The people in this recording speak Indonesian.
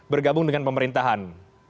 bergabung dengan pemerintahan